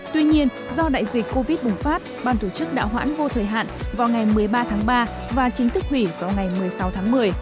tuy nhiên do đại dịch covid bùng phát ban tổ chức đã hoãn vô thời hạn vào ngày một mươi ba tháng ba và chính thức hủy vào ngày một mươi sáu tháng một mươi